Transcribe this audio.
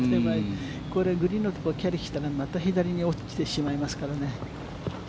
これ、グリーンのところをキャリーしたらまた左に落ちてしまいますからね。